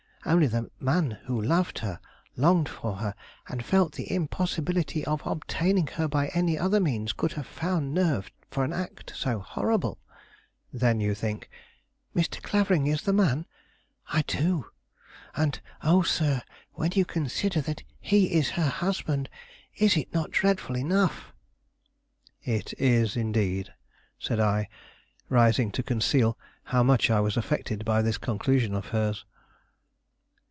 Only the man who loved her, longed for her, and felt the impossibility of obtaining her by any other means, could have found nerve for an act so horrible." "Then you think " "Mr. Clavering is the man? I do: and oh, sir, when you consider that he is her husband, is it not dreadful enough?" "It is, indeed," said I, rising to conceal how much I was affected by this conclusion of hers.